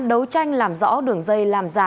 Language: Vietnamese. đấu tranh làm rõ đường dây làm giả